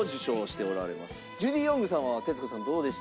ジュディ・オングさんは徹子さんどうでした？